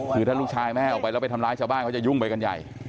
คือถ้าลูกชายแม่ออกไปแล้วไปทำร้ายชาวบ้านเขาจะยุ่งไปกันใหญ่